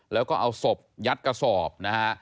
แล้วก็เอาศพยัดกระสอบนะฮะ